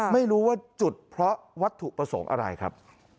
ไม่รู้ว่าจุดเพราะวัตถุประสงค์อะไรครับ